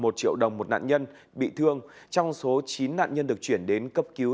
một triệu đồng một nạn nhân bị thương trong số chín nạn nhân được chuyển đến cấp cứu